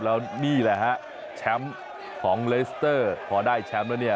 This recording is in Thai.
แล้วนี่แหละฮะแชมป์ของเลสเตอร์พอได้แชมป์แล้วเนี่ย